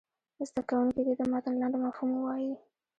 زده کوونکي دې د متن لنډ مفهوم ووایي.